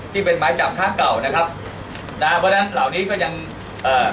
ที่เป็นไม้จับครั้งเก่านะครับนะเพราะฉะนั้นเหล่านี้ก็ยังเอ่อ